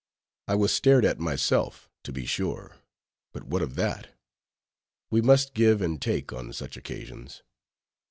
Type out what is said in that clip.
I was stared at myself, to be sure: but what of that? We must give and take on such occasions.